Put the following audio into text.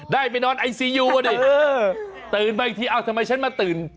ได้ไปนอนไอซียูอ่ะดิตื่นมาอีกทีเอ้าทำไมฉันมาตื่น